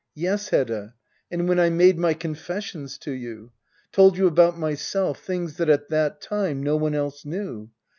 Yes, Hedda, and when I made my confessions to you — told you about myself, things that at that time no one else knew